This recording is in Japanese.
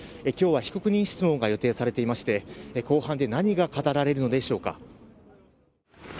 きょうは被告人質問が予定されていまして、公判で何が語られるのでしょうか。